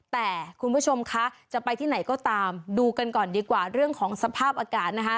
แต่คุณผู้ชมคะจะไปที่ไหนก็ตามดูกันก่อนดีกว่าเรื่องของสภาพอากาศนะคะ